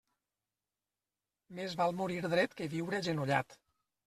Més val morir dret que viure agenollat.